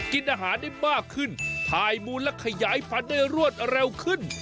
กินอาหารได้มากขึ้นถ่ายมูลและขยายพันธุ์ได้รวดเร็วขึ้น